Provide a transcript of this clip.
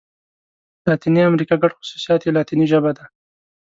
لاتیني امريکا ګډ خوصوصیات یې لاتيني ژبه ده.